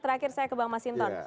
terakhir saya ke pak mas hinton